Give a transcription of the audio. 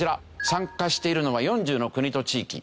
参加しているのは４０の国と地域。